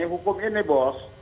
hukum ini bos